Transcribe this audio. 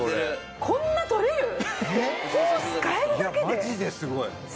いやマジですごい。